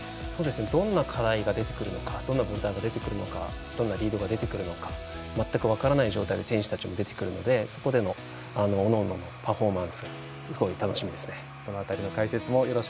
どんな課題が出てくるのかどんなボルダーが出てくるのかどんなリードが出てくるのかまったく分からない状況で選手たちも出てくるのでそこでの、おのおののパフォーマンス、楽しみです。